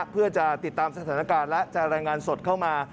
เพื่อจะติดตามสถานการณ์และจะรายงานสดเข้ามา